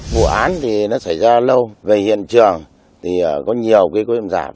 vụ án thì nó xảy ra lâu về hiện trường thì có nhiều cái cơ hội giảm